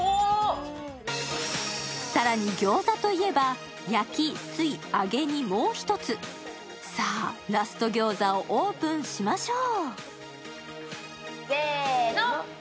更に餃子といえば、焼き、水、揚げにもう１つさぁ、ラスト餃子をオープンしましょう。